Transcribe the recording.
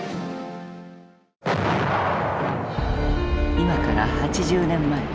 今から８０年前。